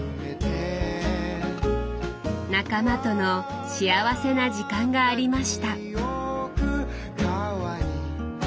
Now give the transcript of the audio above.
仲間との幸せな時間がありました。